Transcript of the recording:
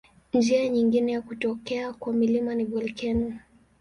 Njia nyingine ya kutokea kwa milima ni volkeno.